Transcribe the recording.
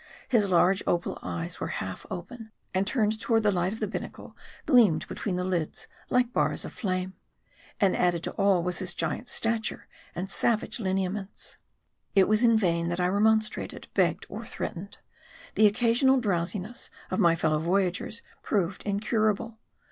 His large opal eyes were half open ; and turned toward the light of the binnacle, gleamed between the lids like bars of flame. And added to all, was his giant stature and savage lineaments. M A R D I. 133 It was in vain, that I remonstrated, begged, or threat ened : the occasional drowsiness of my fellow voyagers proved incurable.